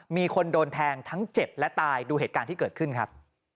มีคนโดนแทงทั้งเจ็บและตายดูเหตุการณ์ที่เกิดขึ้นครับ